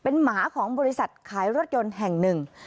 หมาของบริษัทขายรถยนต์แห่งหนึ่ง